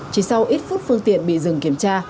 chỉ sau ít phút phương tiện bị dừng kiểm tra